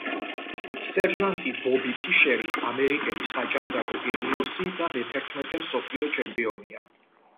სერჟანტი ბობი ფიშერი ამერიკელი საჭადრაკო გენიოსი და მეთერთმეტე მსოფლიო ჩემპიონია